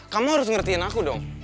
kamu harus ngertiin aku dong